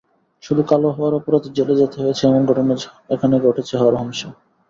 শুধু কালো হওয়ার অপরাধে জেলে যেতে হয়েছে, এমন ঘটনা এখানে ঘটছে হরহামেশা।